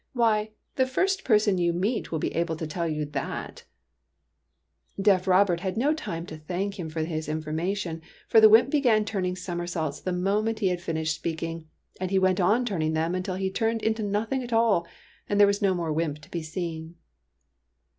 " Why, the first person you meet will be able to tell you that !" Deaf Robert had no time to thank him for his information, for the wymp began turning TEARS OF PRINCESS PRUNELLA 121 somersaults the moment he had finished speak ing, and he went on turning them until he turned into nothing at all, and there was no more wymp to be seen.